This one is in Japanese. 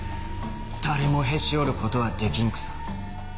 誰もへし折ることはできんくさ。